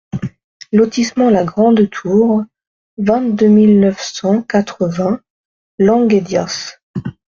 Lotissement La Grande Tour, vingt-deux mille neuf cent quatre-vingts Languédias